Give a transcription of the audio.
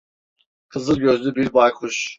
Kızıl gözlü bir baykuş.